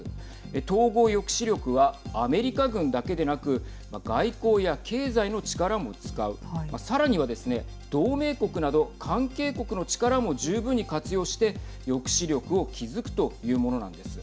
統合抑止力はアメリカ軍だけでなく外交や経済の力も使うさらにはですね、同盟国など関係国の力も十分に活用して抑止力を築くというものなんです。